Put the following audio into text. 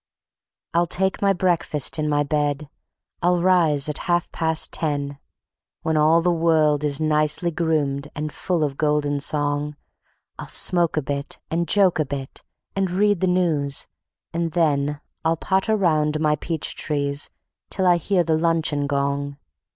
I'll take my breakfast in my bed, I'll rise at half past ten, When all the world is nicely groomed and full of golden song; I'll smoke a bit and joke a bit, and read the news, and then I'll potter round my peach trees till I hear the luncheon gong.